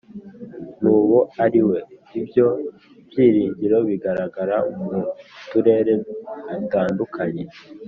n'uwo ari we, ibyo byiringiro bigaragara mu turere dutandukanye